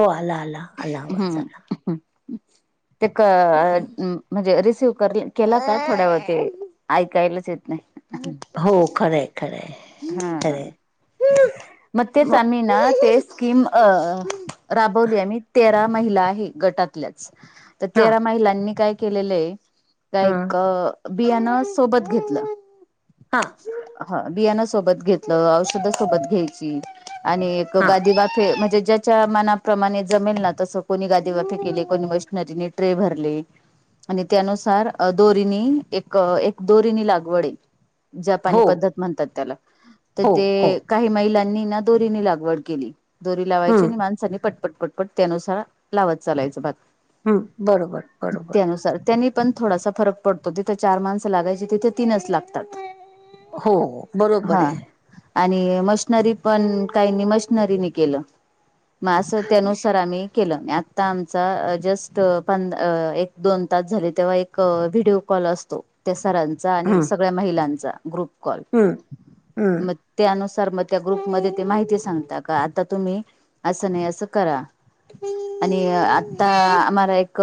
हो आला आला आला आवाज आला हम्म ते काम म्हणजे रिसीव केला का थोड्यावरती ऐकायलाच येत नाही. हो खरं खरं आहे. हा ते मग आम्ही स्किम ते राबवली आम्ही तेरा महिला आहे गटातल्याचं, तर हा तेरा महिलांनी काय केलेलं आहे. आता ह एक बियाण सोबत घेतलं हा बियानं सोबत घेतलं, औषध सोबत घ्यायची, आणि एक हा गादी बात म्हणजे ज्याच्या च्या मनाप्रमाणे जमेल ना तस कोणी गादीवाफी केली, कोणी मशनरीनी ट्रे भरले. आणि त्यानुसार दोरीनी एक एक दोरीनी लागवडे जपानी हो पद्धत म्हणतात त्याला तर हो हो ते काही महिलांनी ना दोरीनी लागवड केली, दोरी लावायची हम्म आणि माणसानी पट पटपटपट त्यानुसार लावत चालायचं भात हम्म बरोबर बरोबर त्यानुसार त्यांनी पण थोडासा फरक पडतो तिथे चार माणसं लागायची तिथे तीनच लागतात. हो हो. हा आणि मशनरी पण काहीनी मशनरीनी केलं. मा असं त्यानुसार आम्ही केलं आता आमचा जस्ट प- एक दोन तास झाले तेव्हा एक व्हिडिओ कॉल असतो, त्या सरांचा आणि सगळ्या ग्रुप कॉल ‌ हम. म त्या अनुसार मग त्या ग्रुपमध्ये ते माहिती सांगता का आता तुम्ही असं नाही असं करा. आणि आता आम्हाला एक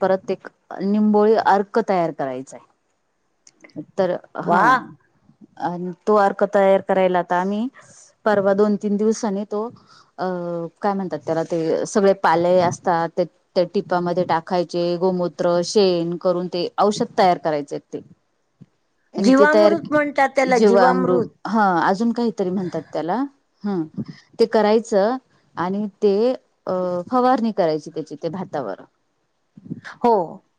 परत एक. निंबोळी अर्क तयार करायचाय. तर हा वा आणि तो अर्क तयार करायला आता आम्ही परवा दोन तीन दिवसानी तो अ काय म्हणतात त्याला ते सगळे पाले असतात ते त्या टिपामध्ये टाकायचे गोमूत्र, शेण, करून ते औषध तयार करायचे ते. आणिन ते तयार जीवामृत म्हणतात त्याला जेव आमर जीवामृत ह अजून काहीतरी म्हणतात त्याला ह ते करायचं. आणि ते अ फवारणी करायची त्याची ते भातावर. हो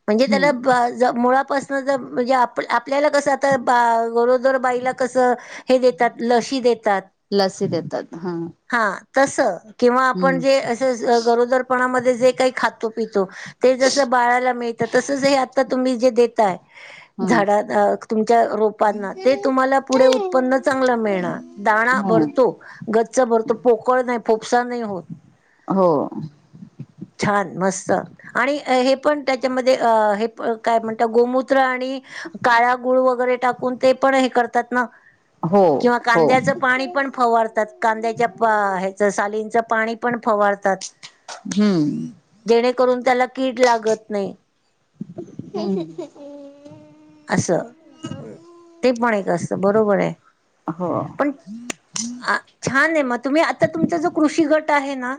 म्हणजे हम्म त्याला मुळापासन म्हणजे आपल्याला कस आता ग जर बाईला कसं हे देतात लशी देतात. लसी देतात हा हा तस किंवा आपण हम्म जे अस गरोदरपणामध्ये जे काही खातो पितो. ते जसं बाळाला मिळतं तसच हे आता तुम्ही जे देताय हा झाडा तुमच्या रोपांना ते तुम्हाला पुढे उत्पन्न चांगलं मिळणार दाणा भरतो. हा गच्च भर तो पोकळ नाही फोफसा नाही होत. हो. छान मस्त. आणि हे पण त्याच्यामध्ये अ काय म्हणत गोमूत्र आणि काळा गुळ वगैरे टाकून ते पण हे करतात ना हो किंवा हो कांद्याचं पाणी पण फवारतात कांद्याच्या ह्याच सालींच पाणी पण फवारतात. हम्म. जेणेकरून त्याला कीड लागत नाही. हंम. असं ते पण एक असतं बरोबर आहे हो पण छान आहे मग तुम्ही आता तुमचा जो कृषी गट आहे, ना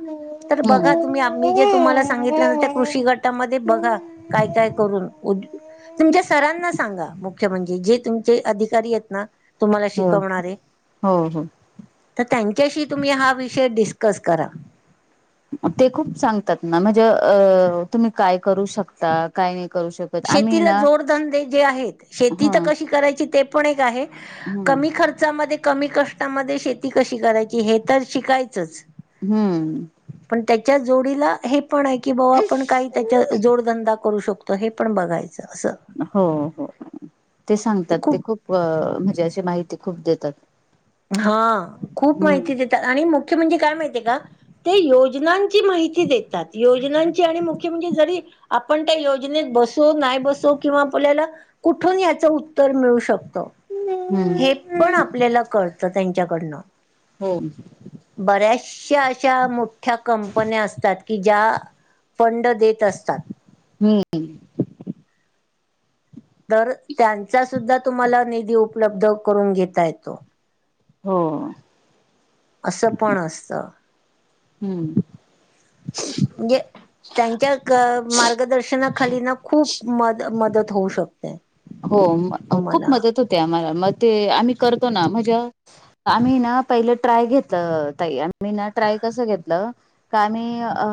तर बघा हम्म तुम्ही आम्ही जे तुम्हाला सांगितलं त्या कृषी गटामध्ये बघा काय काय करून. तुमच्या सरांना सांगा, मुख्य म्हणजे जे तुमचे अधिकारी आहेत ना, तुम्हांला हो शिकवणारे. हो हो तर त्यांच्याशी तुम्ही हा विषय डिस्कस करा. मग ते खूप सांगतात ना, म्हणजे अ तुम्ही काय करू शकता, काय नाही करू शक शेतीला जोडधंदे जे आहेत, ह शेती तर कशी करायची ते पण एक आहे. हम्म कमी खर्चामध्ये, कमी कष्टामध्ये शेती कशी करायची हे तर शिकायचंच. हं.. पण त्याच्या जोडीला हे पण आहे की, बाबा आपण काही त्याच्या जोडधंदा करू शकतो हे पण बघायचं असं. हो, हो. ते सांगतात, ते खूप म्हणजे अशी माहिती खूप देतात. हा खूप हम्म माहितीे देतात आणि मुख्य म्हणजे काय माहितीय का ते योजना ची माहिती देतात योजनाची आणि मुख्य म्हणजे जरी आपण त्या योजनेत बसो, नाही बसो किंवा आपल्याला कुठून याचं उत्तर मिळू शकतं. हम्म हे पण आपल्याला कळतं त्यांच्याकडनं. हो. बऱ्याचशा अशा मोठ्या कंपन्या असतात की ज्या, फंड देत असतात. हु... तर त्यांचा सुद्धा तुम्हांला निधी उपलब्ध करून घेता येतो. हो, हो. असं पण असतं. हू.. हूं.. गे त्यांच्या ग मार्गदर्शनाखाली ना खूप मद-मदत होऊ शकते. हो म खूप तुम्हाला मदत होते आम्हांला, मग ते आम्ही करतो ना मझं आम्ही ना पहिलं ट्राय घेतलं ताई, आम्हीं ना ट्राय कसं घेतलं? का आम्हीं अ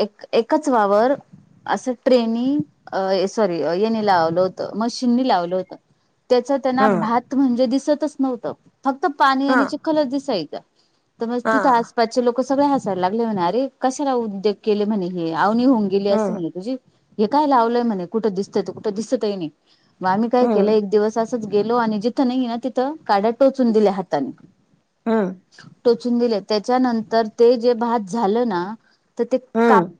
एक एकच वावर असं ट्रेनी सॉरी येणे लावून होत मशीनी लावलं होतं त्याच त्यांना हम्म भात म्हणजे दिसतच नव्हतं. फक्त पाणी हा आणि चिखलच दिसायचा तर म्हजे हा तिथं आस पासचे लोक सगळे हासायला लागले म्हणे, अरे कशाला उद्योग केले म्हणे हे आवणी होऊन गेली असे हम्म म्हणे तुझी. हे काय लावलंय म्हणे कुठं दिसतयं, कुठं दिसतही नाही मग आम्ही काय केलं हम्म एक दिवस असं असंच गेलो आणि जिथं नाही ना, तिथं काड्या टोचून दिल्या हाताने ह.. टोचून दिले त्याच्यानंतर ते जे भात झालं ना, तर ते काप हम्म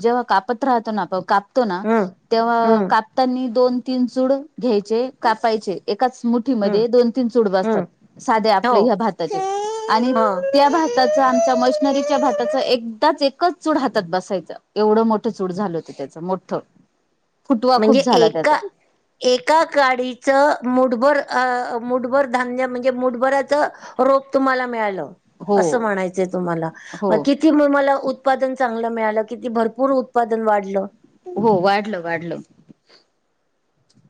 जेव्हा कापत राहतो ना, आपण कापतो ना हम्म तेव्हा हम्म कापतानी दोन- तीन चूड घ्यायचे, कापायचे एकाच मुठ मुठी हम्म मध्ये दोन- तीन चुड बसतात, हम्म साध्या हो आपल्या हया भाताचे आणि ह त्या भा चा आमच्या मशनरीच्या भाताच एकदाच एकच चूड हातात बसायचं एवढं मोठ मोठं चूड झालं होतं त्यांच मोठं. [inaudible] फुटवा म्हणजे खूप झाला त्यात. एका एका काडीच मुठभर अ मुठभर धान्य म्हणजे मुठभऱच रोप तुम्हाला मिळालं. हो असं म्हणायचंय तुम्हाला. मग हो. कि किती म मला उत्पादन चांगलं मिळालं किती भरपूर उत्पादन वाढलं. हो. वाढलं वाढलं.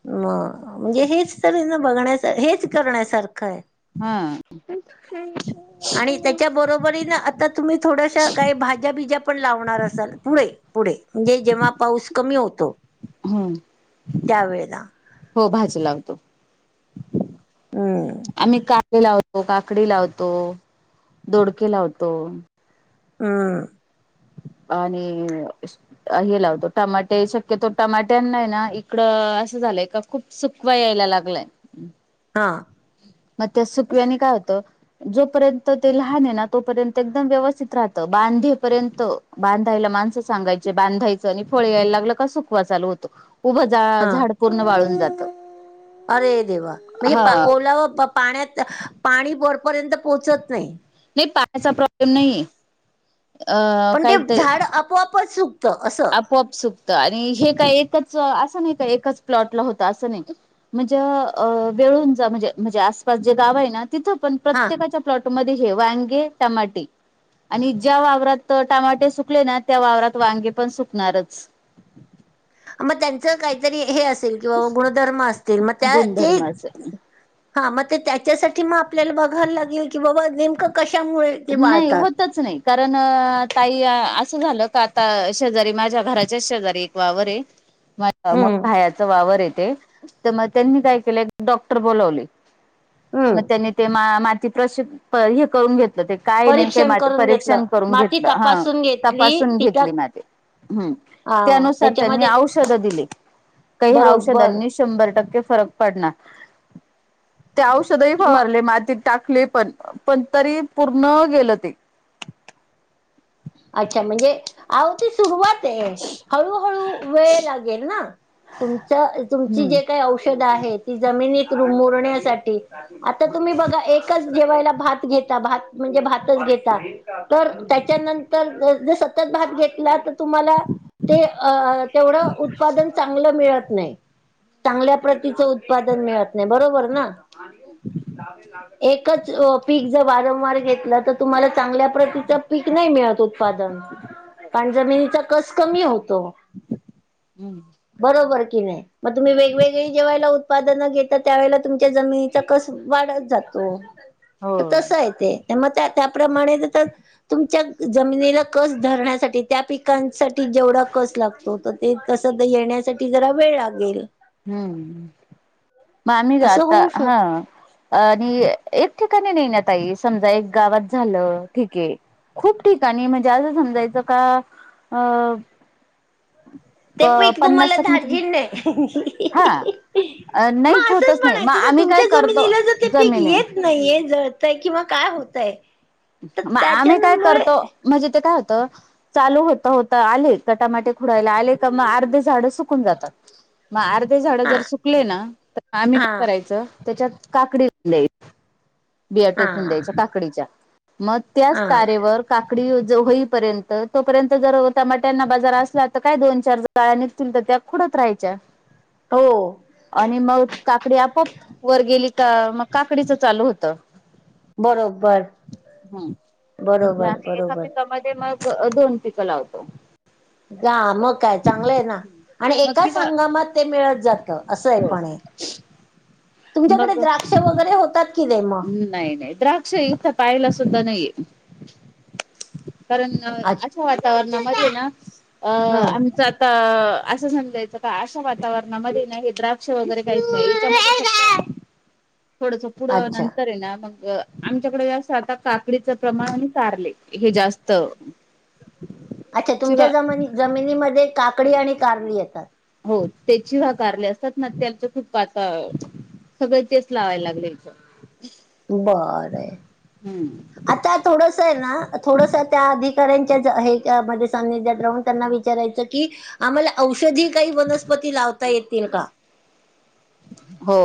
म म्हणजे हेच तरी ना बघण्या हेच करण्यासारखं आहे. हा. ह्‌. आणि त्याच्या बरोबरीन आता तुम्ही थोडश्या काही भाज्या बीज्या पण लावणार असाल. पुढे पुढे म्हणजे जेव्हा पाऊस कमी होतो. त्या वेळेला हो भाजी लावतो. हुम्म. आम्ही कारली लावतो. काकडी लावतो. दोडके लावतो. हुम्म. आणि अ स हे लावतो टॅमाटे शक्यतो टॅमाट्यां ना इकडं असं झालंय का खूप सुकवा यायला लागलंय. हा. मग त्या सुकव्यानी काय होतं जोपर्यंत ते लहान आहे ना तोपर्यंत एकदम व्यवस्थित राहतं बांधेपर्यंत बांधायला माणसं सांगायचे बांधायचं आणि फळे यायला लागलं का सुखवा चालू होतो. उभ हा झाड पूर्ण वाळून जातं. अरे देवा! म्हणजे ओला व पाण्यात पाणी वरपर्यंत पोहोचत नाही. नाही पाण्याचा प्रॉब्लेम नाहीेए. पण ते झाड आपोआपच असं. आपोआप सुकतं आणि हे काय एकच असं नाही का एच प्लॉट ला होत असं नाही. म्हणजे अ वेळूंजा म्हणजे म्हणजे आसपास जे गाव आहे ना तिथं पण हां, प्रत्येकाच्या प्लॉट मध्ये हे वांगे, टमाटे. आणि ज्या वावरात टमाटे सुकले ना त्या वावरात वांगे पण सुकणारच. मग त्यांचं काहीतरी हे असेल किंवा गुणधर्म असतील मग त्या ते गुणधर्माचे हा मग ते त्याच्यासाठी मग आपल्याला बघायला लागेल की बाबा नेमकं कशामुळे ते नाही वाळतात. होतच नाही. कारण ताई असं झालं का आता शेजारी माझ्या घराच्याच शेजारी एक वावर हे [inaudible] ग हं, हयाचा वावर येते तर मग त्यांनी काय केलं डॉक्टर बोलावले. मग हं. त्यांनी ते मा माती प्रश हे करून घेतलं ते. काय नेमक म परीक्षण करून घेतलं. परीक्षण करून माती घेतलं ह तपासून घेतली तपासून तिच्यात घेतली माती. हम्. हां, त्यानुसार त्यांनी त्याच्यामध्ये औषध दिली. काही बरोबर. औषधांनी शभंर टके फरक पडनार. औषध मग फवारले माती टाकली पण पण तरी पूर्ण गेलं ते अच्छा! म्हणजे अवती सुरुवात आहे हळूहळू वेळ लागेल ना. तुमचं तुमची हम्म जे काही औषधं आहेत ती जमिनीत मोरण्यासाठी. आता तुम्ही बघा एकच जेवायला भात घेता भात म्हणजे भातच घेता तर त्याच्यानंतर जर सतत भात घेतला तर तुम्हाला ते अ तेवढ उत्पादन चांगल मिळत नाही. चांगल्या प्रतीच उत्पादन मिळत नाही, बरोबर ना? एकच पीक जर वारंवार घेतलं तर, तुम्हाला चांगल्या प्रकारच पीक नाही मिळत उत्पादन, कारण जमिनीचा कस कमी होतो. हम्म. बरोबर की नाही, मग तुम्ही वेगवेगळी जेवायला उत्पादन घेता, त्यावेेळेला तुमच्या जमिनीचा कस वाढत जातो, हो तर तसं आहे ते. मग त्या त्याप्रमाणे देतात तुमच्यात जमिनीला कस धरण्यासाठी, त्या पिकांसाठी जेवढा कस लागतो ते तस तर येण्यासाठी जरा वेळ लागेल. हम्म, पाणी असं जाता, होऊ हा. शकत आणि एक ठिकाणी नाही ना ताई, समजा एक गावात झालं, ठीक आहे. खूप ठीकाणी म्हणजे, असं समजायचं का अ ते पीक पन्नास तुम्हाला टक्क म्हणज, धार्जिन नाही हा. अ नाहीच मग असंच होतच नाही, मग म्हणायचं ना आम्ही काय तुमच्या करतो जमिनीला जर ते पीक जमिनी येत नाहीये, जळतय किंवा काय होतय? तर म आम्ही काय त्याच्यामुळे करतो, म्हणजे ते काय होतं चालू होता, होता आले तर टमाटे खुडायला आले का, मग अर्धे झाड सुकून जातात. मग अर्धे झाडं हा जर सुकले ना, तर आम्ही काय हा करायचं त्याच्यात काकडी बिया हा टोकून द्यायच्या काकडीच्या, मग त्याच हा ता वर काकडी होईपर्यंत तोर्यंत जर टमाट्यांना बाजार असला तर, काय दोन, चार काळ्या निसतील तर त्या खुडत राहायच्या. हो. आणि मग काकडी आपोआप वर गेली का, मग काकडीच चालू होतं. बरोबर. हं, म्हणजे बरोबर आम्ही एका बरोबर पिकामध्ये मग दोन पिकं लावतो. गा मग काय चांगलंय ना आणि मग एकाच किंवा हंगामात ते मिळत जात, असंय हो पण हे. तुमच्याकडे मग द्राक्ष वगैरे होतात कि नाही मग? नाही, नाही, द्राक्ष इथ पाहायला सुद्धा नाहीेत, कारण हम्म वातावरणामधे ना अ आमचा [inaudible] असं समजायचं का, अशा वातावरणामध्ये नाही हे द्राक्ष वगैरे काहीच नाही [unintelligible] [inaudible] फूडच फूड अच्छा [unintelligible] मग आमच्याकडे जात आता काकडीच प्रमाण आणि कारले हे जास्त. अच्छा, चिवा तुमच्या जमानी जमिनीमध्ये काकडी आणि कारली येतात. हो, त्याची कारले असतात ना, त्याच खूप पातळ सगळं तेच लावायला लागले इथं. बरय. हम्म. आता थोडस आहे ना, थोडस त्या अधिकाऱ्यांच्या हे मध्ये सनिध्यात राहून त्यांना विचा विचारायच की, आम्हाला औषधी काही वनस्पती लावता येतील का? हो.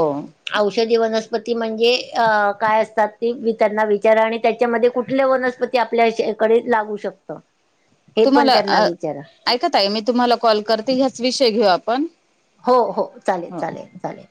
औषधी वनस्पती म्हणजे, अ काय असतात ते मी त्यांना विचार आणि त्याच्यामध्ये कुठल्या वनस्पती आपल्या हेच्याकडे लागू शकत? हे पण तुम्हाला त्यांना अ विचारा? ऐका ताई मी तुम्हाला कॉल करते ह्याच विषय घेऊ आपण. हो हो, चालेल हो. चालेल चालेल.